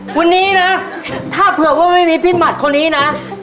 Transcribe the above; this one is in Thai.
วันนี้นะถ้าเผื่อว่าไม่มีพี่หมัดคนนี้นะ